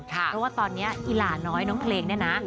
เพราะว่าตอนนี้อีหลาน้อยน้องเพลงเนี่ยนะ